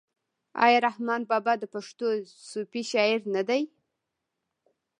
آیا رحمان بابا د پښتو صوفي شاعر نه دی؟